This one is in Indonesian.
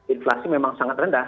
inflasi memang sangat rendah